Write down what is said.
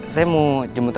saya mau jemput rena